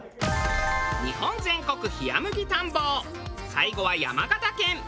最後は山形県。